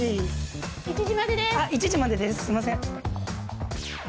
すいません。